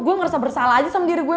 gue merasa bersalah aja sama diri gue